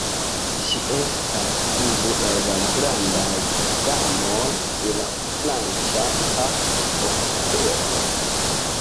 Ŝi estas unu el la grandaj damoj de la franca opero.